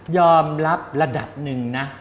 ยอมรับระดับหนึ่งนะ